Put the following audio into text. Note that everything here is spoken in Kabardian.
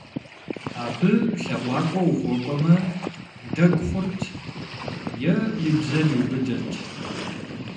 Абы лъэӀуакӀуэ ухуэкӀуэмэ, дэгу хъурт, е и бзэр иубыдырт.